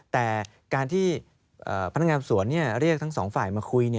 แต่การที่พนักงานสวนเรียกทั้งสองฝ่ายมาคุย